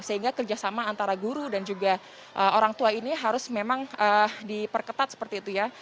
sehingga kerjasama antara guru dan juga orang tua ini harus memang diperketat seperti itu ya